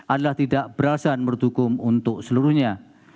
adalah tidak berasa menurut hukum untuk seluruhnya